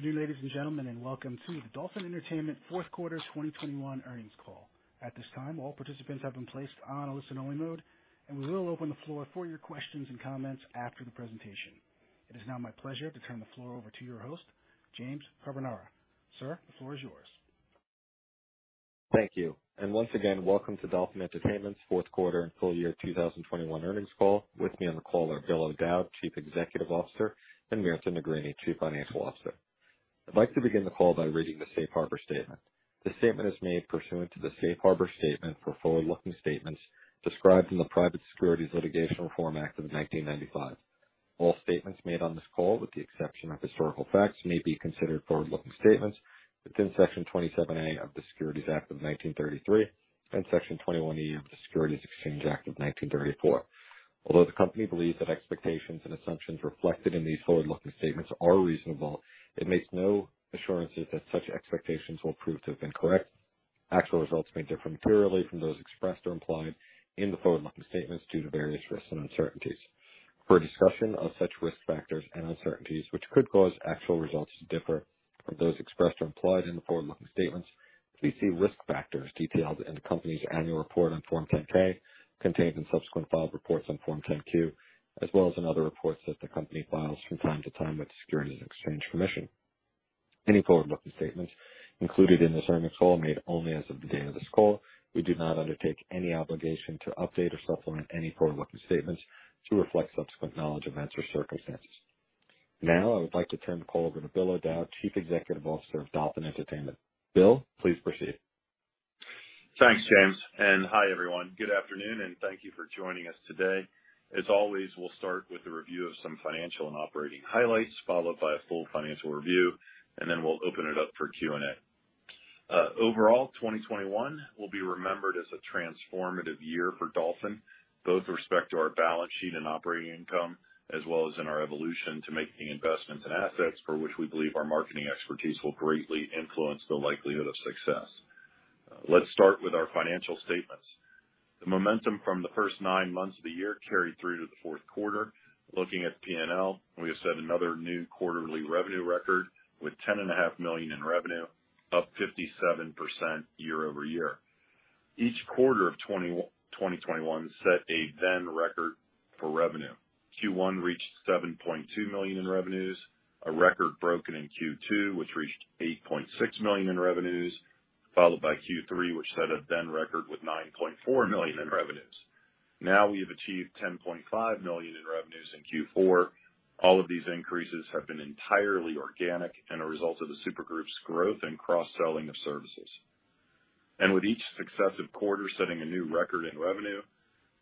Good afternoon, ladies and gentlemen, and welcome to the Dolphin Entertainment Fourth Quarter 2021 earnings call. At this time, all participants have been placed on a listen only mode, and we will open the floor for your questions and comments after the presentation. It is now my pleasure to turn the floor over to your host, James Carbonara. Sir, the floor is yours. Thank you. Once again, welcome to Dolphin Entertainment's fourth quarter and full year 2021 earnings call. With me on the call are Bill O'Dowd, Chief Executive Officer, and Mirta Negrini, Chief Financial Officer. I'd like to begin the call by reading the Safe Harbor statement. This statement is made pursuant to the Safe Harbor statement for forward-looking statements described in the Private Securities Litigation Reform Act of 1995. All statements made on this call, with the exception of historical facts, may be considered forward-looking statements within Section 27A of the Securities Act of 1933 and Section 21E of the Securities Exchange Act of 1934. Although the company believes that expectations and assumptions reflected in these forward-looking statements are reasonable, it makes no assurances that such expectations will prove to have been correct. Actual results may differ materially from those expressed or implied in the forward-looking statements due to various risks and uncertainties. For a discussion of such risk factors and uncertainties which could cause actual results to differ from those expressed or implied in the forward-looking statements, please see risk factors detailed in the company's annual report on Form 10-K, contained in subsequent filed reports on Form 10-Q, as well as in other reports that the company files from time to time with the Securities and Exchange Commission. Any forward-looking statements included in this earnings call are made only as of the date of this call. We do not undertake any obligation to update or supplement any forward-looking statements to reflect subsequent knowledge, events or circumstances. Now I would like to turn the call over to Bill O'Dowd, Chief Executive Officer of Dolphin Entertainment. Bill, please proceed. Thanks, James, and hi, everyone. Good afternoon, and thank you for joining us today. As always, we'll start with a review of some financial and operating highlights, followed by a full financial review, and then we'll open it up for Q&A. Overall, 2021 will be remembered as a transformative year for Dolphin, both with respect to our balance sheet and operating income, as well as in our evolution to making investments in assets for which we believe our marketing expertise will greatly influence the likelihood of success. Let's start with our financial statements. The momentum from the first nine months of the year carried through to the fourth quarter. Looking at P&L, we have set another new quarterly revenue record with $10.5 million in revenue, up 57% year-over-year. Each quarter of 2021 set a then record for revenue. Q1 reached $7.2 million in revenues, a record broken in Q2, which reached $8.6 million in revenues, followed by Q3, which set a then record with $9.4 million in revenues. Now we have achieved $10.5 million in revenues in Q4. All of these increases have been entirely organic and a result of the supergroup's growth and cross-selling of services. With each successive quarter setting a new record in revenue,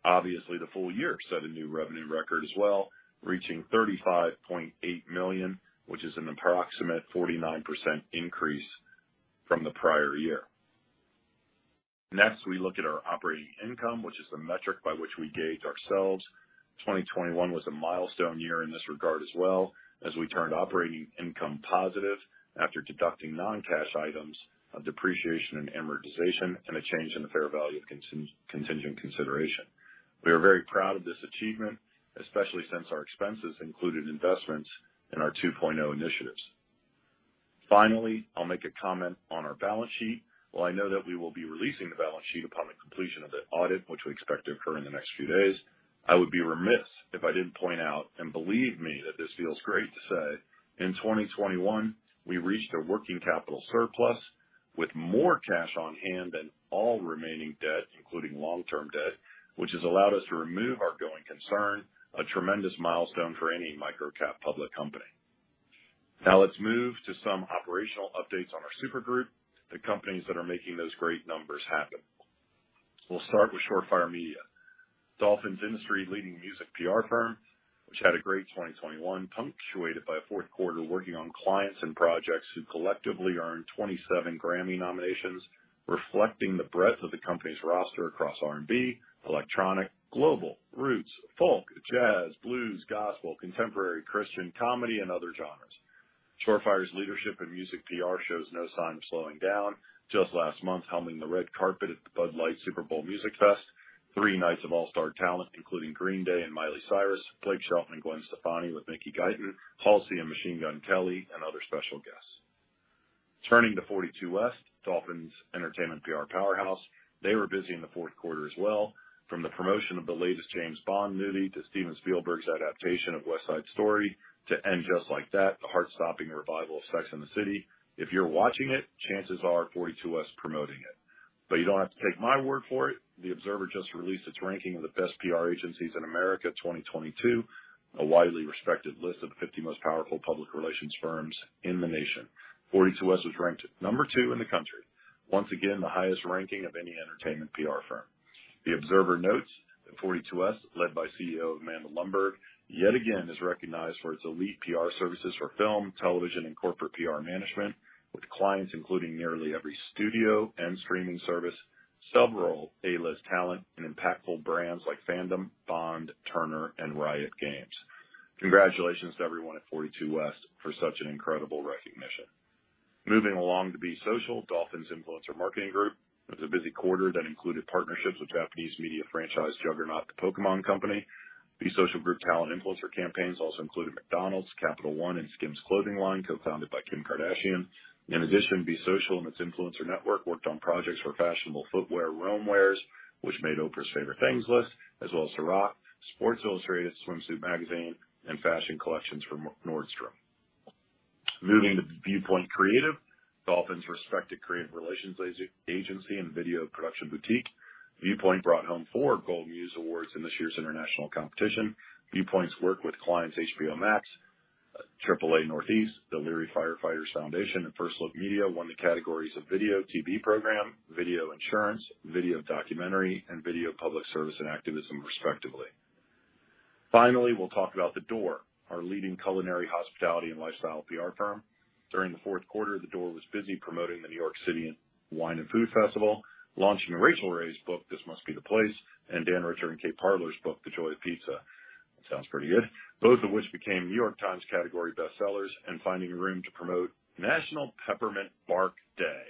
obviously the full year set a new revenue record as well, reaching $35.8 million, which is an approximate 49% increase from the prior year. Next, we look at our operating income, which is the metric by which we gauge ourselves. 2021 was a milestone year in this regard as well as we turned operating income positive after deducting non-cash items of depreciation and amortization and a change in the fair value of contingent consideration. We are very proud of this achievement, especially since our expenses included investments in our 2.0 initiatives. Finally, I'll make a comment on our balance sheet. While I know that we will be releasing the balance sheet upon the completion of the audit, which we expect to occur in the next few days, I would be remiss if I didn't point out, and believe me, that this feels great to say, in 2021, we reached a working capital surplus with more cash on hand than all remaining debt, including long-term debt, which has allowed us to remove our going concern, a tremendous milestone for any micro-cap public company. Now let's move to some operational updates on our supergroup, the companies that are making those great numbers happen. We'll start with Shore Fire Media, Dolphin's industry-leading music PR firm, which had a great 2021, punctuated by a fourth quarter working on clients and projects who collectively earned 27 Grammy nominations, reflecting the breadth of the company's roster across R&B, electronic, global, roots, folk, jazz, blues, gospel, contemporary, Christian, comedy, and other genres. Shore Fire's leadership in music PR shows no sign of slowing down. Just last month, helming the red carpet at the Bud Light Super Bowl Music Fest, three nights of all-star talent, including Green Day and Miley Cyrus, Blake Shelton and Gwen Stefani with Mickey Guyton, Halsey and Machine Gun Kelly, and other special guests. Turning to 42West, Dolphin's entertainment PR powerhouse. They were busy in the fourth quarter as well, from the promotion of the latest James Bond movie to Steven Spielberg's adaptation of West Side Story to And Just Like That, the heart-stopping revival of Sex and the City. If you're watching it, chances are 42West promoting it. You don't have to take my word for it. The Observer just released its ranking of the best PR agencies in America 2022, a widely respected list of the 50 most powerful public relations firms in the nation. 42West was ranked number two in the country, once again the highest ranking of any entertainment PR firm. The Observer notes that 42West, led by CEO Amanda Lundberg, yet again is recognized for its elite PR services for film, television, and corporate PR management, with clients including nearly every studio and streaming service, subrole, A-list talent, and impactful brands like Fandom, Bond, Turner, and Riot Games. Congratulations to everyone at 42West for such an incredible recognition. Moving along to Be Social, Dolphin's influencer marketing group. It was a busy quarter that included partnerships with Japanese media franchise juggernaut, The Pokémon Company. Be Social Group talent influencer campaigns also included McDonald's, Capital One, and SKIMS clothing line, co-founded by Kim Kardashian. In addition, Be Social and its influencer network worked on projects for fashionable footwear, ROAM Wears, which made Oprah's Favorite Things list, as well as Cîroc, Sports Illustrated Swimsuit magazine, and fashion collections for Nordstrom. Moving to Viewpoint Creative, Dolphin's respected creative relations agency and video production boutique. Viewpoint brought home four Gold MUSE Awards in this year's international competition. Viewpoint's work with clients HBO Max, AAA Northeast, the Leary Firefighters Foundation, and First Look Media won the categories of video TV program, video insurance, video documentary, and video public service and activism, respectively. Finally, we'll talk about The Door, our leading culinary, hospitality, and lifestyle PR firm. During the fourth quarter, The Door was busy promoting the New York City Wine and Food Festival, launching Rachael Ray's book, This Must Be the Place, and Dan Richer and Katie Parla's book, The Joy of Pizza. That sounds pretty good. Both of which became New York Times category bestsellers, and finding a room to promote National Peppermint Bark Day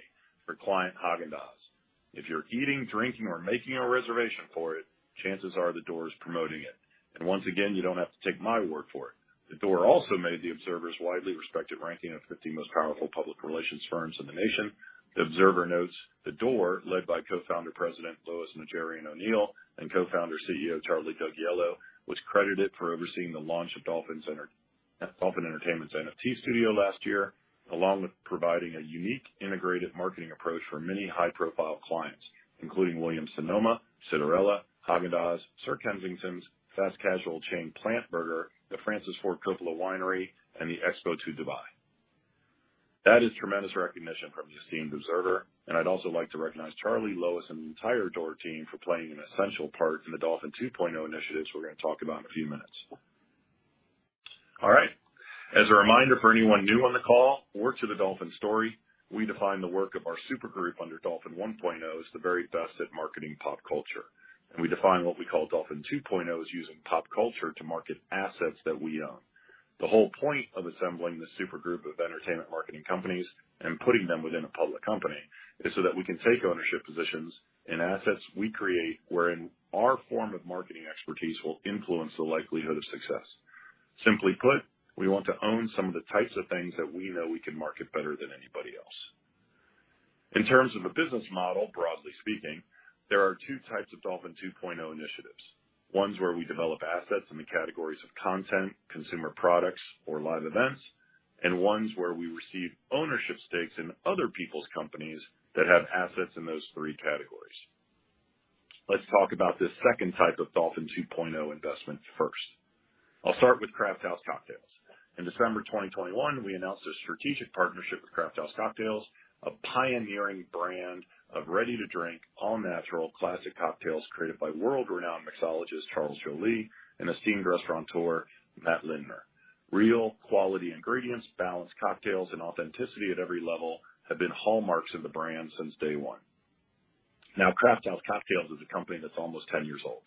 for client Häagen-Dazs. If you're eating, drinking, or making a reservation for it, chances are The Door is promoting it. Once again, you don't have to take my word for it. The Door also made the Observer's widely respected ranking of 50 most powerful public relations firms in the nation. The Observer notes The Door, led by co-founder President Lois Najarian O'Neill, and co-founder CEO Charlie Dougiello, was credited for overseeing the launch of Dolphin Entertainment's NFT studio last year, along with providing a unique integrated marketing approach for many high-profile clients, including Williams-Sonoma, Cinderella, Häagen-Dazs, Sir Kensington's, fast casual chain, PLANTA Burger, the Francis Ford Coppola Winery, and the Expo 2020 Dubai. That is tremendous recognition from the esteemed Observer, and I'd also like to recognize Charlie, Lois, and the entire Door team for playing an essential part in the Dolphin 2.0 initiatives we're gonna talk about in a few minutes. All right. As a reminder for anyone new on the call or to the Dolphin story, we define the work of our supergroup under Dolphin 1.0 as the very best at marketing pop culture. We define what we call Dolphin 2.0 as using pop culture to market assets that we own. The whole point of assembling this supergroup of entertainment marketing companies and putting them within a public company is so that we can take ownership positions in assets we create, wherein our form of marketing expertise will influence the likelihood of success. Simply put, we want to own some of the types of things that we know we can market better than anybody else. In terms of a business model, broadly speaking, there are two types of Dolphin 2.0 initiatives. Ones where we develop assets in the categories of content, consumer products or live events, and ones where we receive ownership stakes in other people's companies that have assets in those three categories. Let's talk about this second type of Dolphin 2.0 investment first. I'll start with Crafthouse Cocktails. In December 2021, we announced a strategic partnership with Crafthouse Cocktails, a pioneering brand of ready-to-drink, all-natural classic cocktails created by world-renowned mixologist Charles Joly and esteemed restaurateur Matt Lindner. Real quality ingredients, balanced cocktails, and authenticity at every level have been hallmarks of the brand since day one. Now, Crafthouse Cocktails is a company that's almost 10 years old.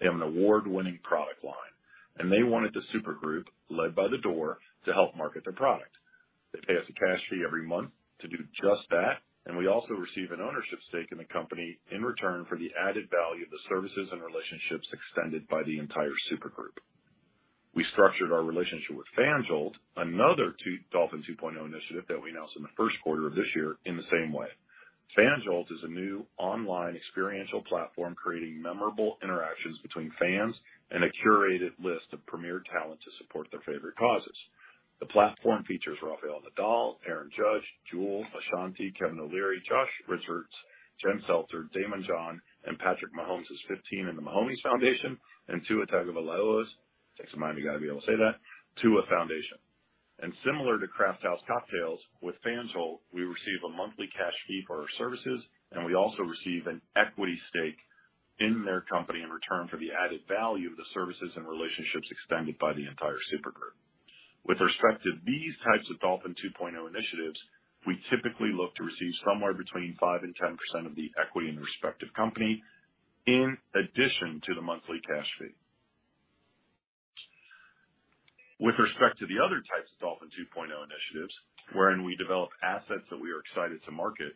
They have an award-winning product line, and they wanted the supergroup, led by The Door, to help market their product. They pay us a cash fee every month to do just that, and we also receive an ownership stake in the company in return for the added value of the services and relationships extended by the entire supergroup. We structured our relationship with FanJolt, another Dolphin 2.0 initiative that we announced in the first quarter of this year, in the same way. FanJolt is a new online experiential platform creating memorable interactions between fans and a curated list of premier talent to support their favorite causes. The platform features Rafael Nadal, Aaron Judge, Jewel, Ashanti, Kevin O'Leary, Josh Richards, Jen Selter, Daymond John, and Patrick Mahomes's 15 and the Mahomies Foundation, and Tua Tagovailoa's, takes a minute you gotta be able to say that, Tua Foundation. Similar to Crafthouse Cocktails, with FanJolt, we receive a monthly cash fee for our services, and we also receive an equity stake in their company in return for the added value of the services and relationships extended by the entire supergroup. With respect to these types of Dolphin 2.0 initiatives, we typically look to receive somewhere between 5%-10% of the equity in the respective company in addition to the monthly cash fee. With respect to the other types of Dolphin 2.0 initiatives, wherein we develop assets that we are excited to market,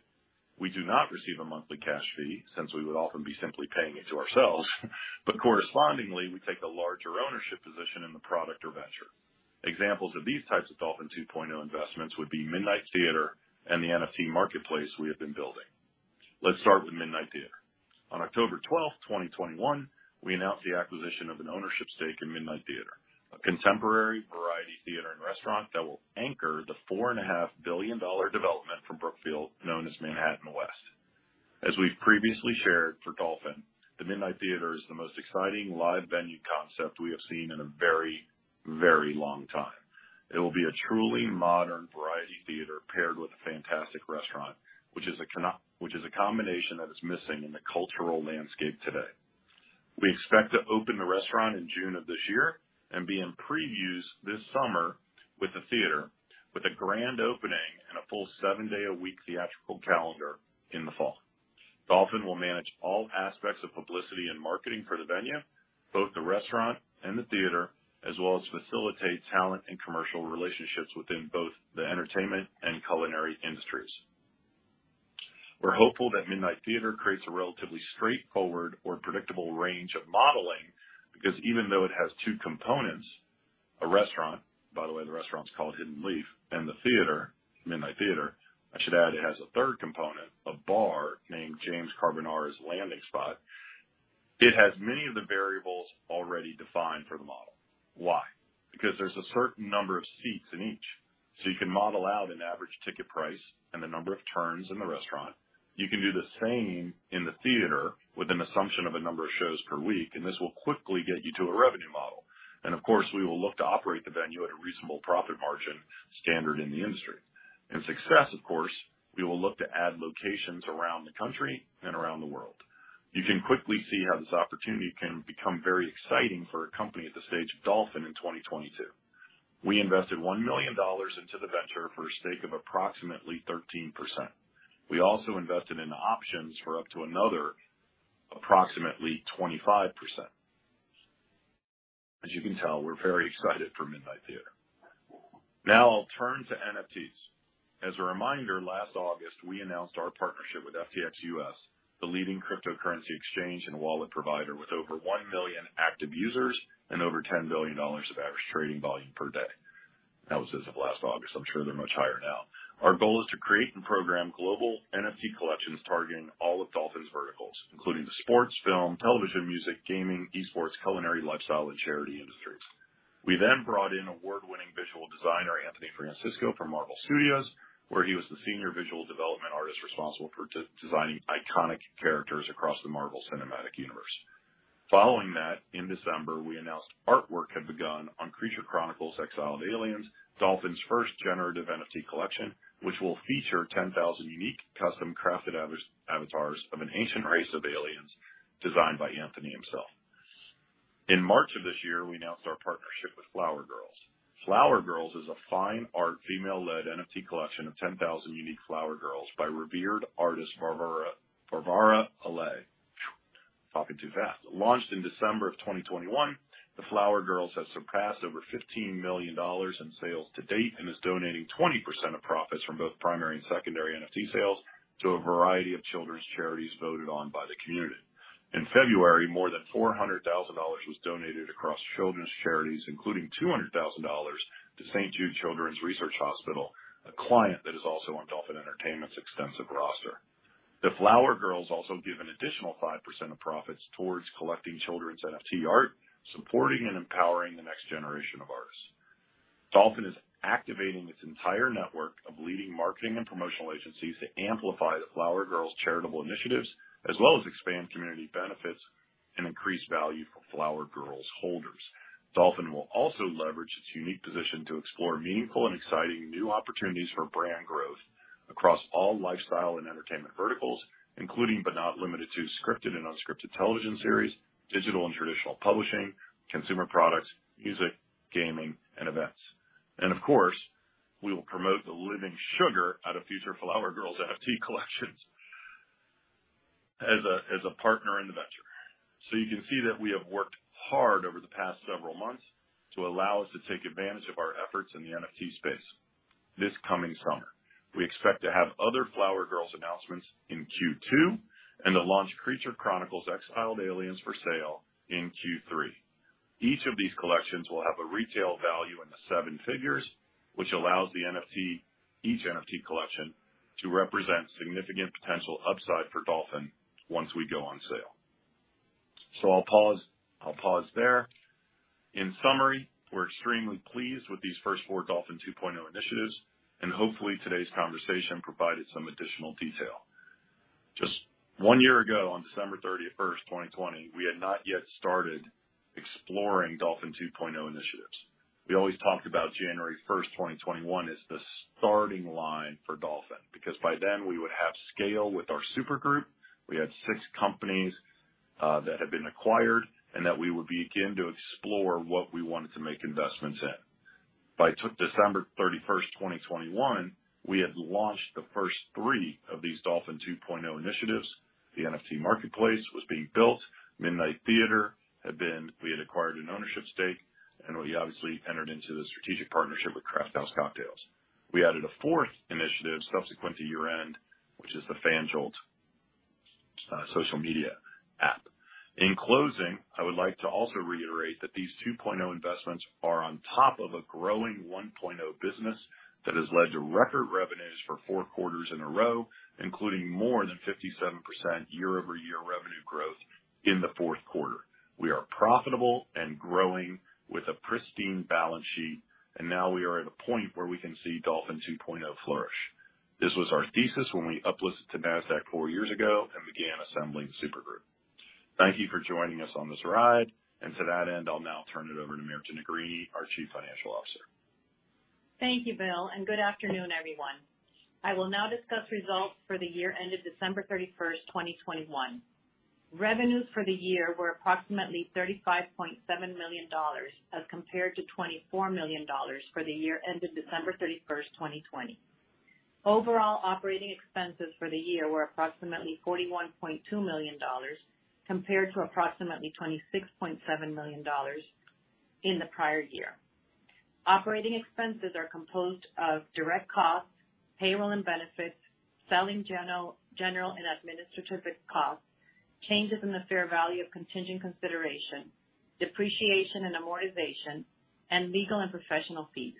we do not receive a monthly cash fee since we would often be simply paying it to ourselves. Correspondingly, we take a larger ownership position in the product or venture. Examples of these types of Dolphin 2.0 investments would be Midnight Theatre and the NFT marketplace we have been building. Let's start with Midnight Theatre. On October 12th, 2021, we announced the acquisition of an ownership stake in Midnight Theatre, a contemporary variety theater and restaurant that will anchor the $4.5 billion development from Brookfield, known as Manhattan West. As we've previously shared for Dolphin, the Midnight Theatre is the most exciting live venue concept we have seen in a very, very long time. It will be a truly modern variety theater paired with a fantastic restaurant, which is a combination that is missing in the cultural landscape today. We expect to open the restaurant in June of this year and be in previews this summer with the theater, with a grand opening and a full seven-day-a-week theatrical calendar in the fall. Dolphin will manage all aspects of publicity and marketing for the venue, both the restaurant and the theater, as well as facilitate talent and commercial relationships within both the entertainment and culinary industries. We're hopeful that Midnight Theatre creates a relatively straightforward or predictable range of modeling because even though it has two components, a restaurant, by the way, the restaurant's called Hidden Leaf, and the theater, Midnight Theatre, I should add, it has a third component, a bar named James Carbonara's Landing Spot. It has many of the variables already defined for the model. Why? Because there's a certain number of seats in each, so you can model out an average ticket price and the number of turns in the restaurant. You can do the same in the theater with an assumption of a number of shows per week, and this will quickly get you to a revenue model. Of course, we will look to operate the venue at a reasonable profit margin standard in the industry. In success, of course, we will look to add locations around the country and around the world. You can quickly see how this opportunity can become very exciting for a company at the stage of Dolphin in 2022. We invested $1 million into the venture for a stake of approximately 13%. We also invested in options for up to another approximately 25%. As you can tell, we're very excited for Midnight Theatre. Now I'll turn to NFTs. As a reminder, last August, we announced our partnership with FTX U.S., the leading cryptocurrency exchange and wallet provider with over 1 million active users and over $10 billion of average trading volume per day. That was as of last August. I'm sure they're much higher now. Our goal is to create and program global NFT collections targeting all of Dolphin's verticals, including the sports, film, television, music, gaming, e-sports, culinary, lifestyle, and charity industries. We then brought in award-winning visual designer Anthony Francisco from Marvel Studios, where he was the senior visual development artist responsible for designing iconic characters across the Marvel Cinematic Universe. Following that, in December, we announced artwork had begun on Creature Chronicles: Exiled Aliens, Dolphin's first generative NFT collection, which will feature 10,000 unique custom-crafted avatars of an ancient race of aliens designed by Anthony himself. In March of this year, we announced our partnership with Flower Girls. Flower Girls is a fine art female-led NFT collection of 10,000 unique Flower Girls by revered artist Varvara Alay. Launched in December 2021, the Flower Girls has surpassed over $15 million in sales to date and is donating 20% of profits from both primary and secondary NFT sales to a variety of children's charities voted on by the community. In February, more than $400,000 was donated across children's charities, including $200,000 to St. Jude Children's Research Hospital, a client that is also on Dolphin Entertainment's extensive roster. The Flower Girls also give an additional 5% of profits towards collecting children's NFT art, supporting and empowering the next generation of artists. Dolphin is activating its entire network of leading marketing and promotional agencies to amplify the Flower Girls charitable initiatives, as well as expand community benefits and increase value for Flower Girls holders. Dolphin will also leverage its unique position to explore meaningful and exciting new opportunities for brand growth across all lifestyle and entertainment verticals, including, but not limited to scripted and unscripted television series, digital and traditional publishing, consumer products, music, gaming, and events. Of course, we will promote the living sugar out of future Flower Girls NFT collections as a partner in the venture. You can see that we have worked hard over the past several months to allow us to take advantage of our efforts in the NFT space this coming summer. We expect to have other Flower Girls announcements in Q2 and to launch Creature Chronicles: Exiled Aliens for sale in Q3. Each of these collections will have a retail value in the seven figures, which allows the NFT, each NFT collection to represent significant potential upside for Dolphin once we go on sale. I'll pause there. In summary, we're extremely pleased with these first four Dolphin 2.0 initiatives, and hopefully, today's conversation provided some additional detail. Just one year ago, on December 31st, 2020, we had not yet started exploring Dolphin 2.0 initiatives. We always talked about January 1st, 2021 as the starting line for Dolphin, because by then we would have scale with our supergroup. We had six companies that had been acquired, and that we would begin to explore what we wanted to make investments in. By December 31st, 2021, we had launched the first three of these Dolphin 2.0 initiatives. The NFT marketplace was being built. Midnight Theatre had been... We had acquired an ownership stake, and we obviously entered into the strategic partnership with Crafthouse Cocktails. We added a fourth initiative subsequent to year-end, which is the FanJolt social media app. In closing, I would like to also reiterate that these 2.0 investments are on top of a growing 1.0 business that has led to record revenues for four quarters in a row, including more than 57% year-over-year revenue growth in the fourth quarter. We are profitable and growing with a pristine balance sheet, and now we are at a point where we can see Dolphin 2.0 flourish. This was our thesis when we uplisted to Nasdaq four years ago and began assembling the supergroup. Thank you for joining us on this ride, and to that end, I'll now turn it over to Mirta Negrini, our Chief Financial Officer. Thank you, Bill, and good afternoon, everyone. I will now discuss results for the year ended December 31st, 2021. Revenues for the year were approximately $35.7 million as compared to $24 million for the year ended December 31st, 2020. Overall operating expenses for the year were approximately $41.2 million compared to approximately $26.7 million in the prior year. Operating expenses are composed of direct costs, payroll and benefits, selling general and administrative costs, changes in the fair value of contingent consideration, depreciation and amortization, and legal and professional fees.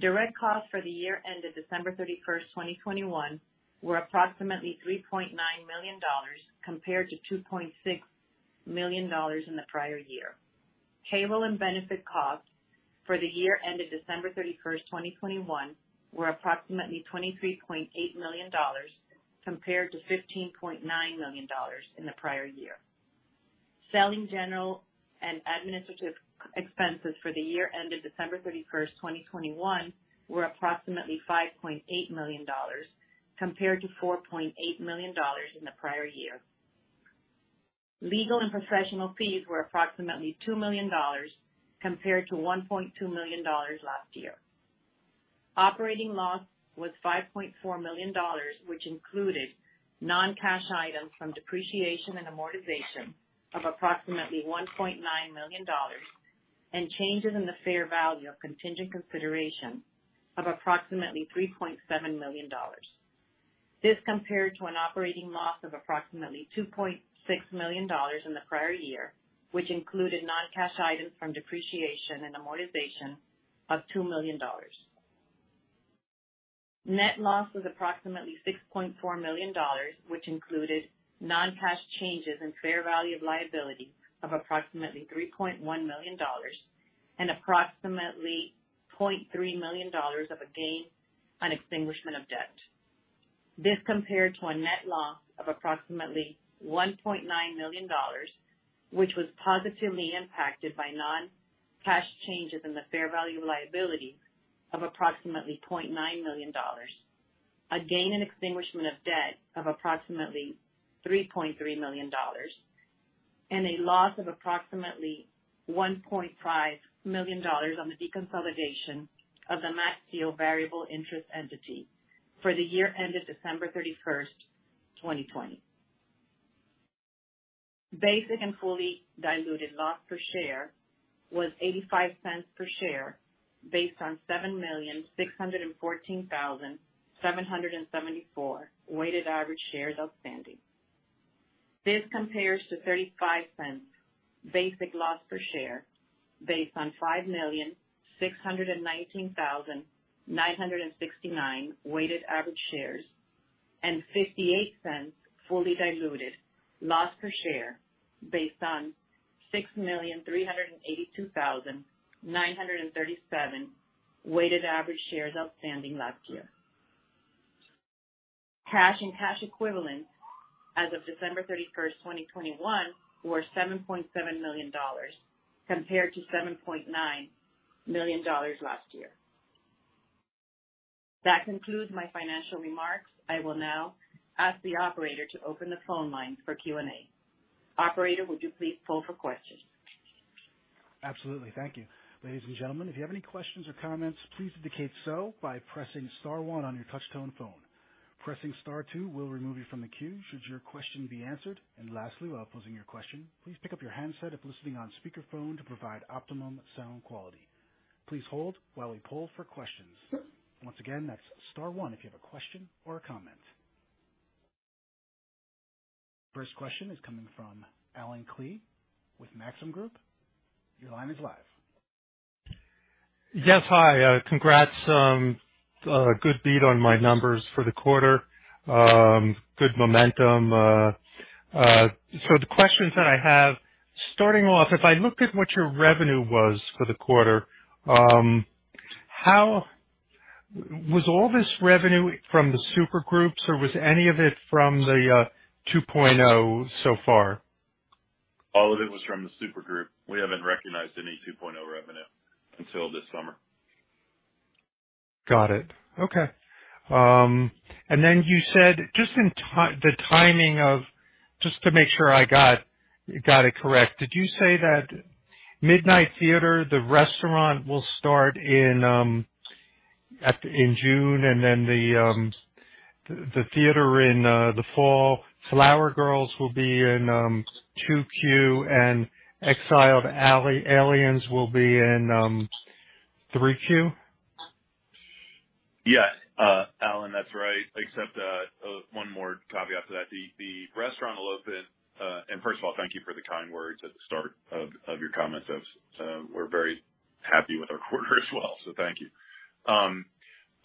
Direct costs for the year ended December 31st, 2021 were approximately $3.9 million compared to $2.6 million in the prior year. Payroll and benefit costs for the year ended December 31st, 2021 were approximately $23.8 million compared to $15.9 million in the prior year. Selling, general, and administrative expenses for the year ended December 31st, 2021 were approximately $5.8 million compared to $4.8 million in the prior year. Legal and professional fees were approximately $2 million compared to $1.2 million last year. Operating loss was $5.4 million, which included non-cash items from depreciation and amortization of approximately $1.9 million and changes in the fair value of contingent consideration of approximately $3.7 million. This compared to an operating loss of approximately $2.6 million in the prior year, which included non-cash items from depreciation and amortization of $2 million. Net loss was approximately $6.4 million, which included non-cash changes in fair value of liability of approximately $3.1 million and approximately $0.3 million of a gain on extinguishment of debt. This compared to a net loss of approximately $1.9 million, which was positively impacted by non-cash changes in the fair value of liability of approximately $0.9 million, a gain in extinguishment of debt of approximately $3.3 million, and a loss of approximately $1.5 million on the deconsolidation of the Maxio variable interest entity for the year ended December 31st, 2020. Basic and fully diluted loss per share was $0.85 per share based on 7,614,774 weighted average shares outstanding. This compares to $0.35 basic loss per share based on 5,619,969 weighted average shares and $0.58 fully diluted loss per share based on 6,382,937 weighted average shares outstanding last year. Cash and cash equivalents as of December 31st, 2021 were $7.7 million compared to $7.9 million last year. That concludes my financial remarks. I will now ask the operator to open the phone lines for Q&A. Operator, would you please poll for questions? Absolutely. Thank you. Ladies and gentlemen, if you have any questions or comments, please indicate so by pressing star one on your touchtone phone. Pressing star two will remove you from the queue should your question be answered. And lastly, while posing your question, please pick up your handset if listening on speakerphone to provide optimum sound quality. Please hold while we poll for questions. Once again, that's star one if you have a question or a comment. First question is coming from Allen Klee with Maxim Group. Your line is live. Yes. Hi, congrats. Good beat on my numbers for the quarter. Good momentum. So the questions that I have, starting off, if I look at what your revenue was for the quarter, was all this revenue from the supergroups, or was any of it from the 2.0 so far? All of it was from the supergroup. We haven't recognized any 2.0 revenue until this summer. Got it. Okay. Just to make sure I got it correct, did you say that Midnight Theatre, the restaurant will start in June and then the theater in the fall, The Flower Girls will be in 2Q, and Exiled Aliens will be in 3Q? Yeah, Allen, that's right. Except, one more caveat to that. The restaurant will open. First of all, thank you for the kind words at the start of your comments. That's. We're very happy with our quarter as well, so thank you.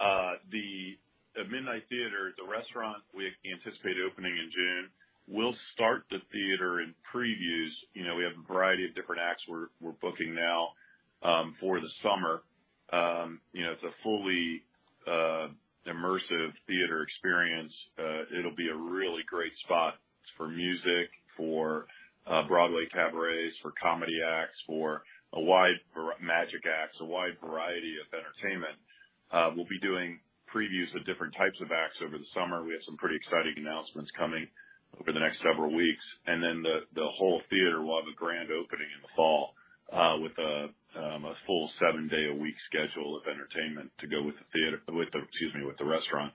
The Midnight Theatre, the restaurant we anticipate opening in June. We'll start the theater in previews. You know, we have a variety of different acts we're booking now for the summer. You know, it's a fully immersive theater experience. It'll be a really great spot for music, for Broadway cabarets, for comedy acts, magic acts, a wide variety of entertainment. We'll be doing previews of different types of acts over the summer. We have some pretty exciting announcements coming over the next several weeks. The whole theater will have a grand opening in the fall, with a full seven-day a week schedule of entertainment to go with the theater, with the restaurant.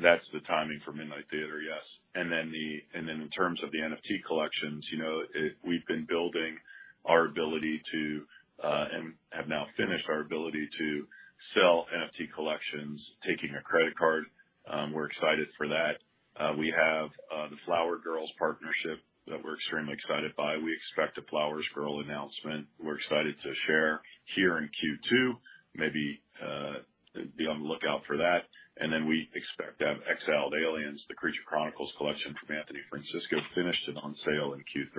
That's the timing for Midnight Theatre, yes. In terms of the NFT collections, you know, we've been building our ability to and have now finished our ability to sell NFT collections, taking a credit card. We're excited for that. We have the Flower Girls partnership that we're extremely excited by. We expect a Flower Girls announcement we're excited to share here in Q2. Maybe, be on the lookout for that. Then we expect to have Creature Chronicles: Exiled Aliens collection from Anthony Francisco finished and on sale in Q3.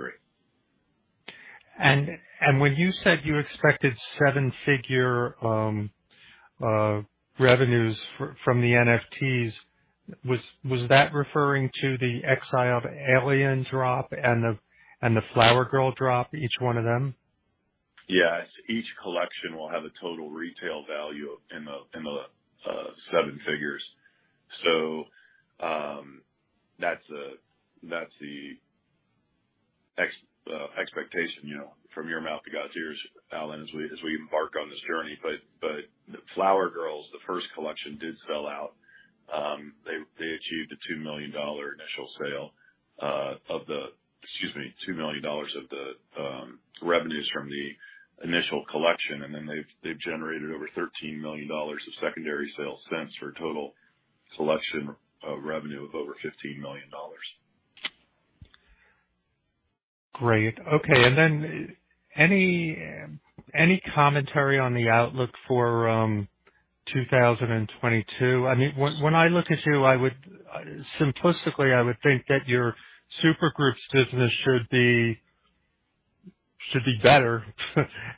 When you said you expected seven-figure revenues from the NFTs, was that referring to the Exiled Aliens drop and the Flower Girls drop, each one of them? Yes. Each collection will have a total retail value in the seven figures. That's the expectation, you know, from your mouth to God's ears, Allen, as we embark on this journey. The Flower Girls, the first collection did sell out. They achieved $2 million of revenues from the initial collection. Then they've generated over $13 million of secondary sales since, for a total collection of revenue of over $15 million. Great. Okay. Then any commentary on the outlook for 2022? I mean, when I look at you, I would, simplistically, I would think that your supergroup's business should be better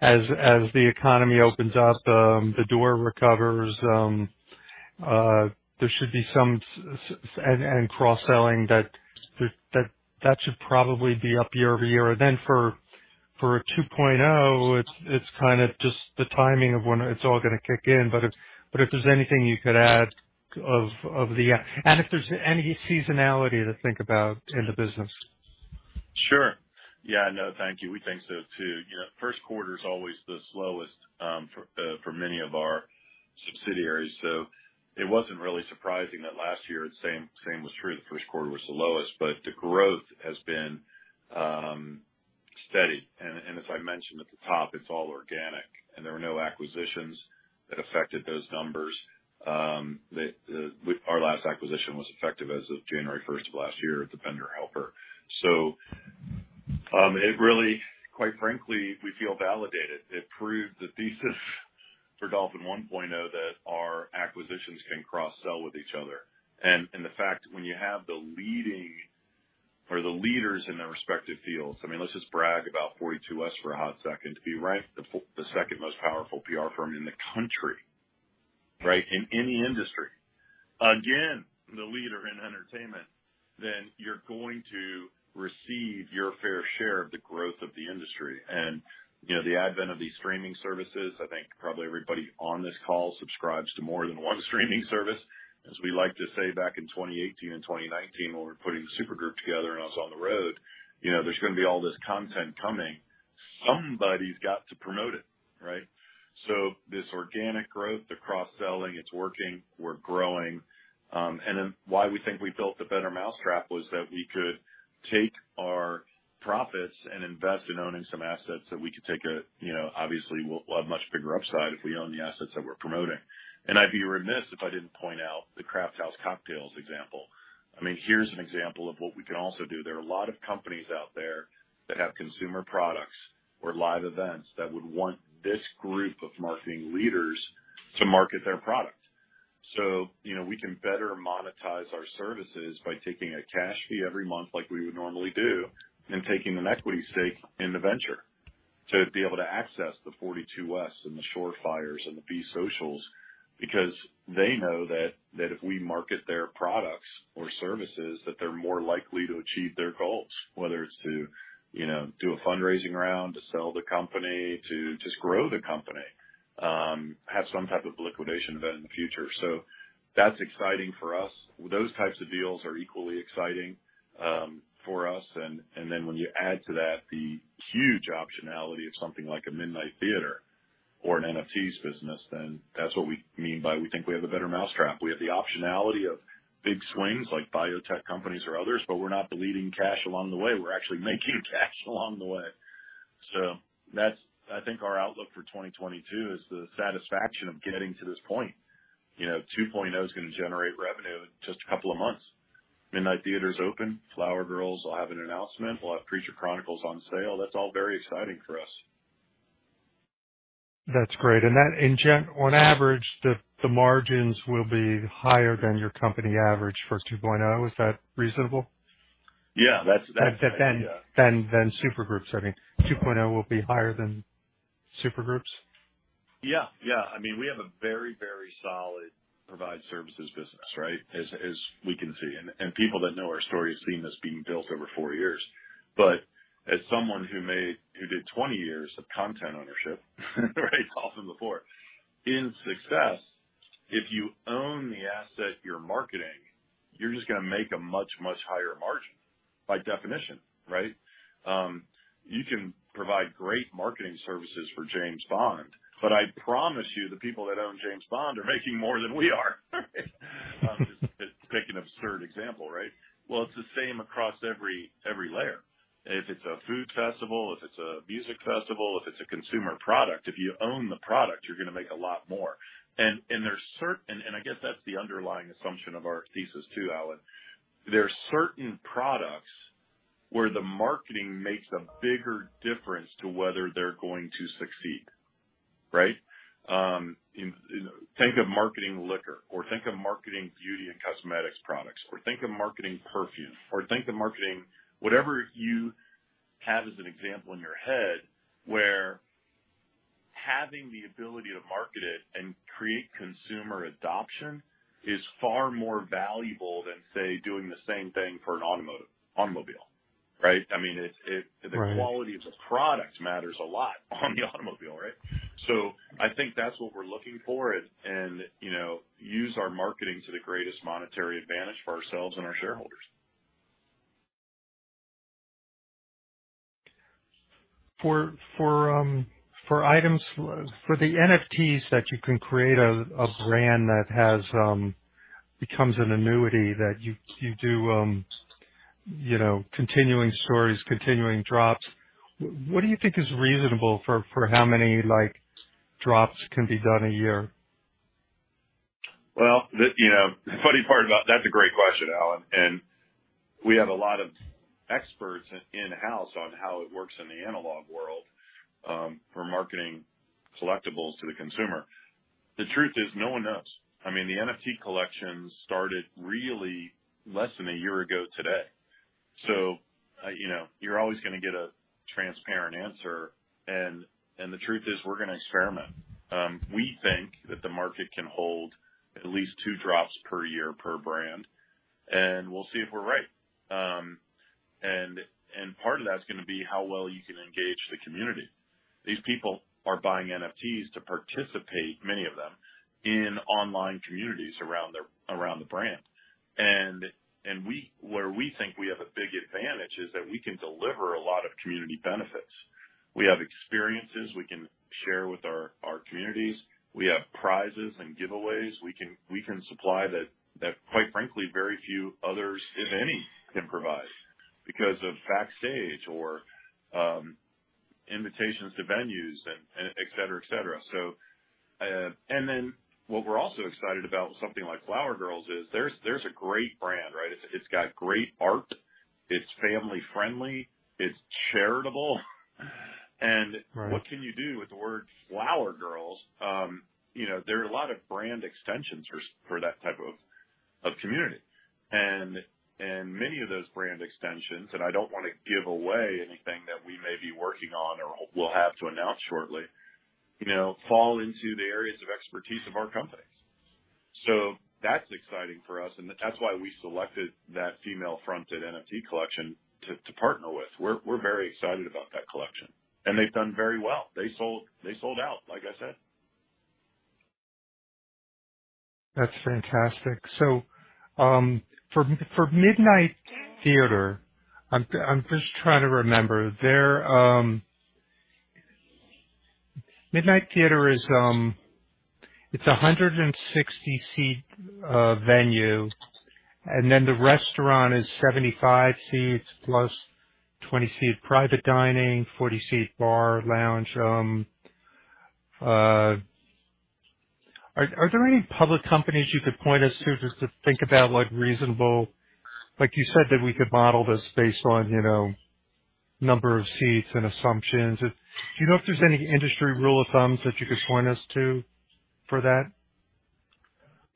as the economy opens up, The Door recovers, there should be some synergies and cross-selling that should probably be up year-over-year. Then for 2.0, it's kinda just the timing of when it's all gonna kick in. But if there's anything you could add. If there's any seasonality to think about in the business. Sure. Yeah. No, thank you. We think so, too. You know, first quarter is always the slowest for many of our subsidiaries. It wasn't really surprising that last year, the same was true. The first quarter was the lowest. The growth has been steady. As I mentioned at the top, it's all organic. There were no acquisitions that affected those numbers. Our last acquisition was effective as of January 1st of last year with the Vendor Helper. It really, quite frankly, we feel validated. It proved the thesis for Dolphin 1.0 that our acquisitions can cross-sell with each other. The fact when you have the leading or the leaders in their respective fields, I mean, let's just brag about 42West for a hot second. To be ranked the second most powerful PR firm in the country, right? In any industry. Again, the leader in entertainment. You're going to receive your fair share of the growth of the industry. You know, the advent of these streaming services, I think probably everybody on this call subscribes to more than one streaming service. As we like to say back in 2018 and 2019 when we're putting supergroup together and I was on the road, you know, there's gonna be all this content coming. Somebody's got to promote it, right? This organic growth, the cross-selling, it's working, we're growing. Why we think we built a better mousetrap was that we could take our profits and invest in owning some assets. You know, obviously we'll have much bigger upside if we own the assets that we're promoting. I'd be remiss if I didn't point out the Crafthouse Cocktails example. I mean, here's an example of what we can also do. There are a lot of companies out there that have consumer products or live events that would want this group of marketing leaders to market their product. You know, we can better monetize our services by taking a cash fee every month like we would normally do, and taking an equity stake in the venture to be able to access the 42West and the Shore Fire Media and the Be Social. Because they know that if we market their products or services, that they're more likely to achieve their goals. Whether it's to, you know, do a fundraising round, to sell the company, to just grow the company, have some type of liquidation event in the future. That's exciting for us. Those types of deals are equally exciting for us. And then when you add to that the huge optionality of something like a Midnight Theatre or an NFTs business, then that's what we mean by we think we have the better mousetrap. We have the optionality of big swings like biotech companies or others, but we're not bleeding cash along the way. We're actually making cash along the way. That's I think our outlook for 2022 is the satisfaction of getting to this point. You know, 2.0 is gonna generate revenue in just a couple of months. Midnight Theatre's open. Flower Girls will have an announcement. We'll have Creature Chronicles on sale. That's all very exciting for us. That's great. That on average, the margins will be higher than your company average for 2.0. Is that reasonable? Yeah, that's. Supergroups, I mean. 2.0 will be higher than supergroups? Yeah. I mean, we have a very, very solid PR services business, right? As we can see. People that know our story have seen this being built over four years. As someone who did 20 years of content ownership right off in the forefront of success, if you own the asset you're marketing, you're just gonna make a much, much higher margin by definition, right? You can provide great marketing services for James Bond, but I promise you, the people that own James Bond are making more than we are. Just to pick an absurd example, right? Well, it's the same across every layer. If it's a food festival, if it's a music festival, if it's a consumer product, if you own the product, you're gonna make a lot more. I guess that's the underlying assumption of our thesis too, Allen. There are certain products where the marketing makes a bigger difference to whether they're going to succeed, right? Think of marketing liquor or think of marketing beauty and cosmetics products or think of marketing perfume or think of marketing whatever you have as an example in your head where having the ability to market it and create consumer adoption is far more valuable than, say, doing the same thing for an automobile, right? I mean, it's Right. The quality of the product matters a lot on the automobile, right? I think that's what we're looking for and, you know, use our marketing to the greatest monetary advantage for ourselves and our shareholders. For the NFTs that you can create a brand that has becomes an annuity that you do you know continuing stories, continuing drops, what do you think is reasonable for how many like drops can be done a year? That's a great question, Allen, and we have a lot of experts in-house on how it works in the analog world for marketing collectibles to the consumer. The truth is, no one knows. I mean, the NFT collection started really less than a year ago today. You're always gonna get a transparent answer. The truth is, we're gonna experiment. We think that the market can hold at least two drops per year per brand, and we'll see if we're right. Part of that's gonna be how well you can engage the community. These people are buying NFTs to participate, many of them, in online communities around the brand. Where we think we have a big advantage is that we can deliver a lot of community benefits. We have experiences we can share with our communities. We have prizes and giveaways we can supply that, quite frankly, very few others, if any, can provide because of backstage or invitations to venues and et cetera. What we're also excited about with something like Flower Girls is there's a great brand, right? It's got great art, it's family-friendly, it's charitable. Right. What can you do with the word Flower Girls? You know, there are a lot of brand extensions for that type of community. Many of those brand extensions, and I don't wanna give away anything that we may be working on or we'll have to announce shortly, you know, fall into the areas of expertise of our companies. That's exciting for us, and that's why we selected that female-fronted NFT collection to partner with. We're very excited about that collection. They've done very well. They sold out, like I said. That's fantastic. For Midnight Theatre, I'm just trying to remember. Their Midnight Theatre is, it's a 160-seat venue, and then the restaurant is 75 seats plus 20-seat private dining, 40-seat bar lounge. Are there any public companies you could point us to just to think about, like, reasonable, like you said, that we could model this based on, you know, number of seats and assumptions. Do you know if there's any industry rule of thumbs that you could point us to for that?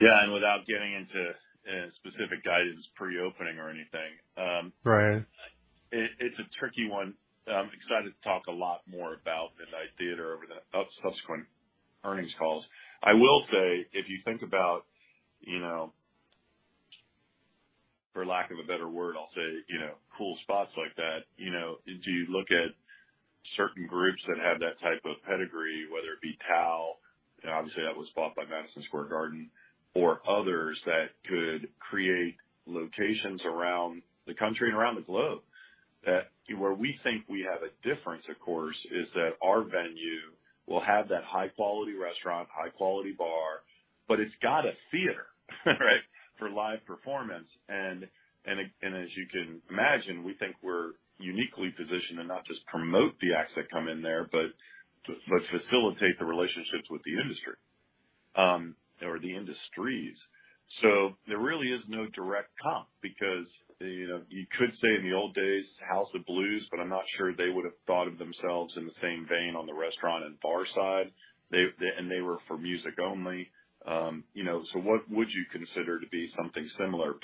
Yeah. Without getting into specific guidance pre-opening or anything. Right. It's a tricky one. I'm excited to talk a lot more about Midnight Theatre over the subsequent earnings calls. I will say, if you think about, you know, for lack of a better word, I'll say, you know, cool spots like that, you know, as you look at certain groups that have that type of pedigree, whether it be Tao, obviously that was bought by Madison Square Garden or others that could create locations around the country and around the globe, that, where we think we have a difference of course is that our venue will have that high-quality restaurant, high-quality bar, but it's got a theater, right, for live performance. As you can imagine, we think we're uniquely positioned to not just promote the acts that come in there, but facilitate the relationships with the industry, or the industries. There really is no direct comp because, you know, you could say in the old days, House of Blues, but I'm not sure they would have thought of themselves in the same vein on the restaurant and bar side. They were for music only. You know, what would you consider to be something similar?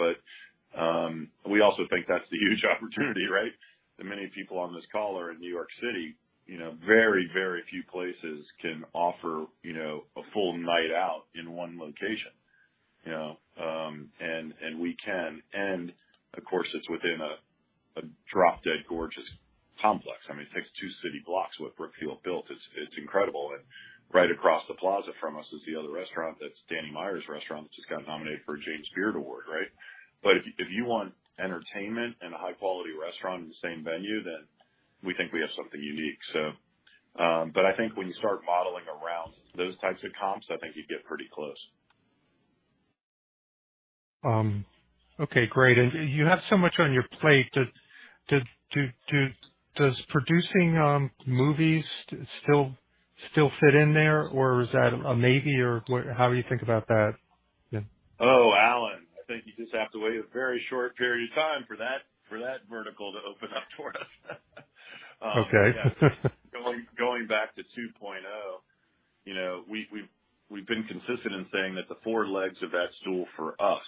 We also think that's the huge opportunity, right? That many people on this call are in New York City. You know, very, very few places can offer, you know, a full night out in one location. You know, and we can. Of course, it's within a drop-dead gorgeous complex. I mean, it takes two city blocks. What Brookfield built, it's incredible. Right across the plaza from us is the other restaurant. That's Danny Meyer's restaurant, which has gotten nominated for a James Beard Award, right? If you want entertainment and a high-quality restaurant in the same venue, then we think we have something unique. I think when you start modeling around those types of comps, I think you'd get pretty close. Okay, great. You have so much on your plate. Does producing movies still fit in there, or is that a maybe, or what? How do you think about that, yeah? Oh, Allen, I think you just have to wait a very short period of time for that, for that vertical to open up for us. Okay. Going back to 2.0, you know, we've been consistent in saying that the four legs of that stool for us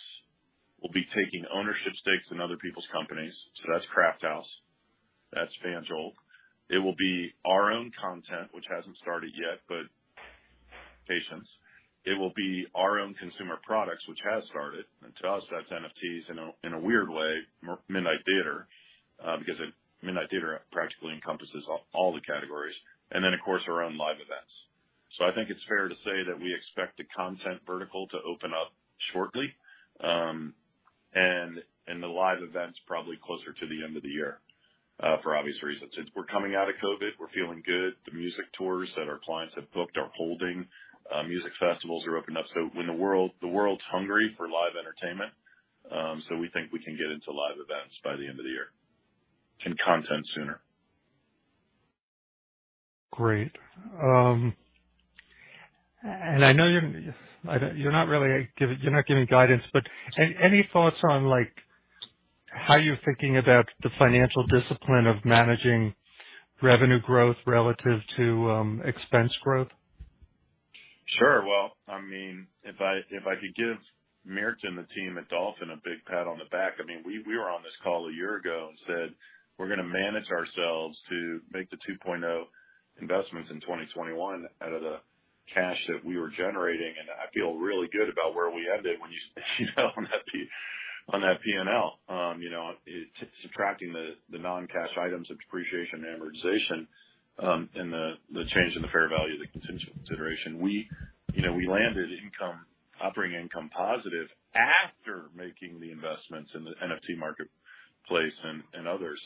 will be taking ownership stakes in other people's companies. That's Crafthouse, that's FanJolt. It will be our own content, which hasn't started yet, but patience. It will be our own consumer products, which has started, and to us, that's NFTs in a weird way, Midnight Theatre, because Midnight Theatre practically encompasses all the categories. Then, of course, our own live events. I think it's fair to say that we expect the content vertical to open up shortly, and the live events probably closer to the end of the year, for obvious reasons. Since we're coming out of COVID, we're feeling good. The music tours that our clients have booked are holding. Music festivals are opening up. The world's hungry for live entertainment, so we think we can get into live events by the end of the year and content sooner. Great. And I know you're not really giving guidance, but any thoughts on, like, how you're thinking about the financial discipline of managing revenue growth relative to expense growth? Sure. Well, I mean, if I could give Mirta and the team at Dolphin a big pat on the back. I mean, we were on this call a year ago and said, we're gonna manage ourselves to make the 2.0 investments in 2021 out of the cash that we were generating. I feel really good about where we ended when you see on that P&L. You know, it's subtracting the non-cash items of depreciation and amortization, and the change in the fair value of the contingent consideration. We, you know, we landed income, operating income positive after making the investments in the NFT marketplace and others.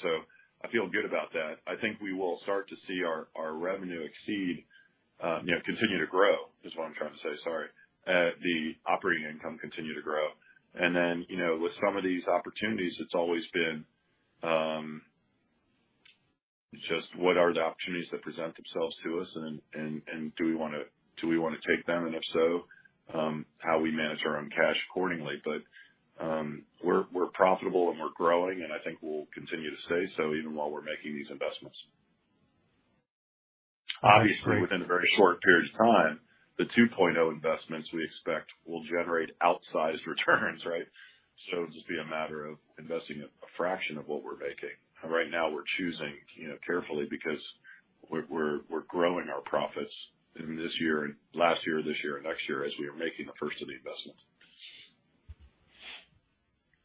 I feel good about that. I think we will start to see our revenue exceed, you know, continue to grow is what I'm trying to say. The operating income continue to grow. Then, you know, with some of these opportunities, it's always been just what are the opportunities that present themselves to us and do we wanna take them? If so, how we manage our own cash accordingly. We're profitable and we're growing, and I think we'll continue to stay so even while we're making these investments. I see. Obviously, within a very short period of time, the 2.0 investments we expect will generate outsized returns, right? It'll just be a matter of investing a fraction of what we're making. Right now we're choosing, you know, carefully because we're growing our profits in this year and last year or this year and next year as we are making the first of the investments.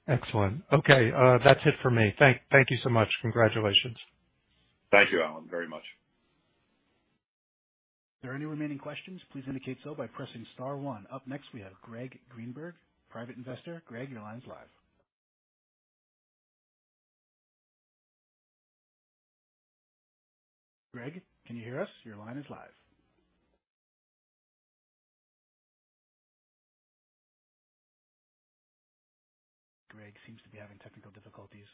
Excellent. Okay, that's it for me. Thank you so much. Congratulations. Thank you, Allen, very much. Are there any remaining questions? Please indicate so by pressing star one. Up next, we have Gregg Greenberg, Private Investor. Gregg, your line's live. Gregg, can you hear us? Your line is live. Gregg seems to be having technical difficulties.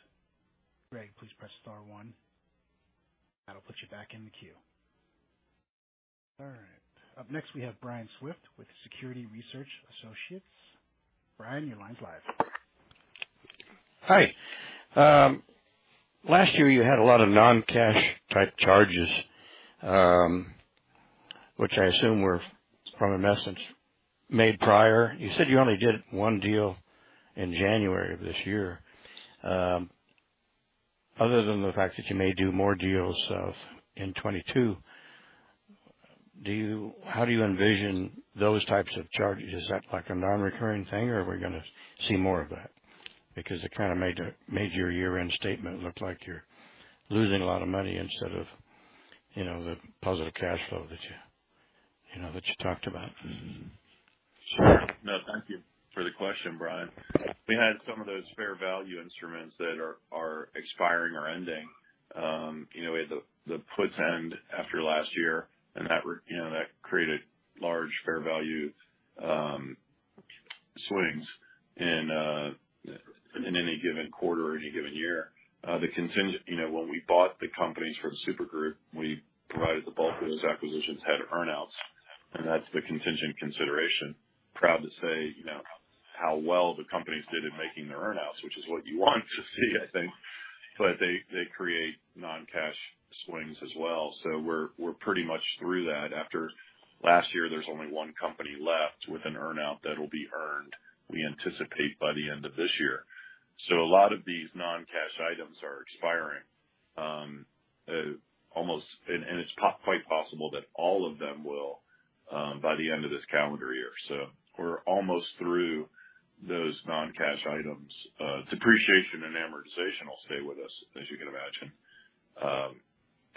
Gregg, please press star one. That'll put you back in the queue. All right. Up next, we have Brian Swift with Security Research Associates. Brian, your line's live. Hi. Last year you had a lot of non-cash type charges, which I assume were from a merger made prior. You said you only did one deal in January of this year. Other than the fact that you may do more deals in 2022, how do you envision those types of charges? Is that like a non-recurring thing or are we gonna see more of that? Because it kinda made your year-end statement look like you're losing a lot of money instead of, you know, the positive cash flow that you know, talked about. Sure. No, thank you for the question, Brian. We had some of those fair value instruments that are expiring or ending. You know, we had the puts end after last year, and that you know, that created large fair value swings in any given quarter or any given year. The contingent consideration. You know, when we bought the companies from Super Group, we provided the bulk of those acquisitions had earn outs, and that's the contingent consideration. Proud to say, you know, how well the companies did in making their earn outs, which is what you want to see, I think. They create non-cash swings as well. We're pretty much through that. After last year, there's only one company left with an earn out that'll be earned, we anticipate by the end of this year. A lot of these non-cash items are expiring. It's quite possible that all of them will by the end of this calendar year. We're almost through those non-cash items. Depreciation and amortization will stay with us, as you can imagine,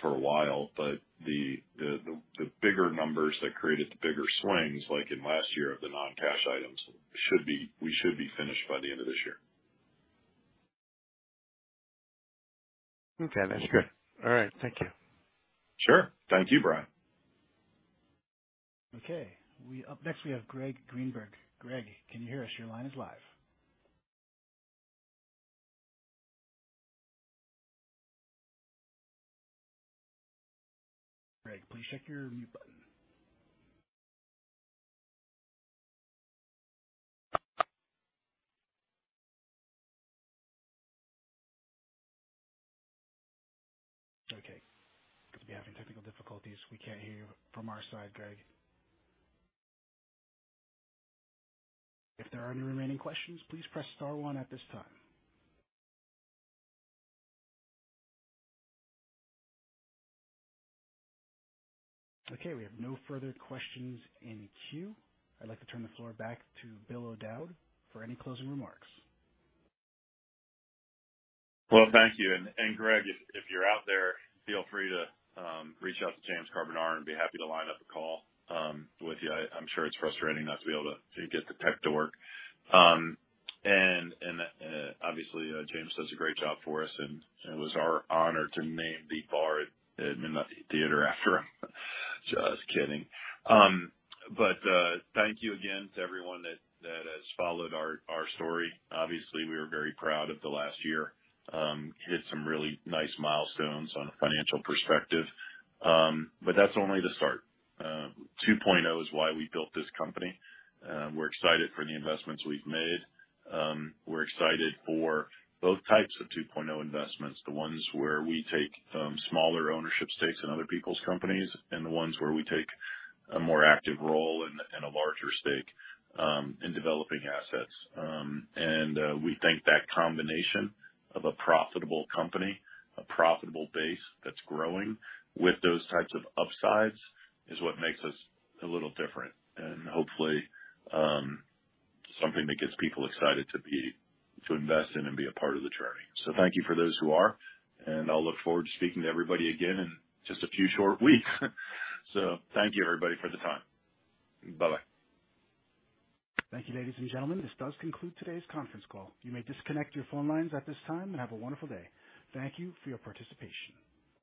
for a while. The bigger numbers that created the bigger swings, like in last year of the non-cash items, we should be finished by the end of this year. Okay. That's good. All right. Thank you. Sure. Thank you, Brian. Okay, up next, we have Gregg Greenberg. Greg, can you hear us? Your line is live. Gregg, please check your mute button. Okay. Got to be having technical difficulties. We can't hear you from our side, Gregg. If there are any remaining questions, please press star one at this time. Okay, we have no further questions in queue. I'd like to turn the floor back to Bill O'Dowd for any closing remarks. Well, thank you, and Gregg, if you're out there, feel free to reach out to James Carbonara, and be happy to line up a call with you. I'm sure it's frustrating not to be able to get the tech to work. Obviously, James does a great job for us, and it was our honor to name the bar at Midnight Theatre after him. Just kidding. Thank you again to everyone that has followed our story. Obviously, we are very proud of the last year. Hit some really nice milestones on a financial perspective. That's only the start. 2.0 is why we built this company. We're excited for the investments we've made. We're excited for both types of 2.0 investments, the ones where we take smaller ownership stakes in other people's companies, and the ones where we take a more active role and a larger stake in developing assets. We think that combination of a profitable company, a profitable base that's growing with those types of upsides is what makes us a little different, and hopefully something that gets people excited to invest in and be a part of the journey. Thank you for those who are, and I'll look forward to speaking to everybody again in just a few short weeks. Thank you everybody for the time. Bye-bye. Thank you, ladies and gentlemen. This does conclude today's conference call. You may disconnect your phone lines at this time and have a wonderful day. Thank you for your participation.